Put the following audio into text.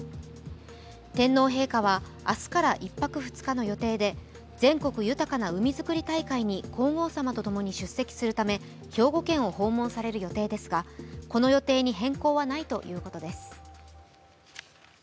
天皇陛下は明日から１泊２日の予定で全国豊かな海づくり大会に皇后さまとともに出席するため兵庫県を訪問される予定ですがこの予定に変更はないということです。